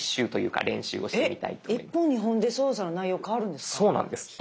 １本２本で操作の内容変わるんですか？